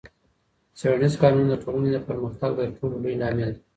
څېړنیز کارونه د ټولني د پرمختګ ترټولو لوی لامل دی.